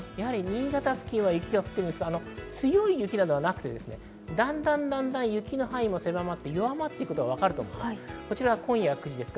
新潟付近、雪が降っていますが強い雪ではなくて、だんだんだんだん雪の範囲も狭まって弱まっていくのがわかると思います。